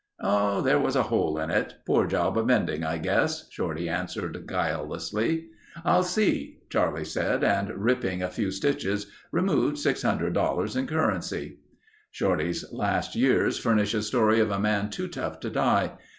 "Oh, there was a hole in it. Poor job of mending I guess," Shorty answered guilelessly. "I'll see," Charlie said and ripping a few stitches removed $600 in currency. Shorty's last years furnish a story of a man too tough to die.